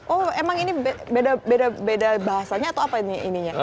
oh emang ini beda beda bahasanya atau apa ininya